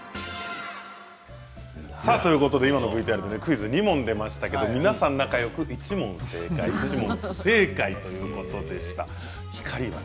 ということで今のＶＴＲクイズ２問出ましたが皆さん仲よく１問正解１問不正解ということでした。